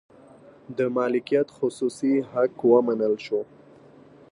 د مالکیت خصوصي حق ومنل شو.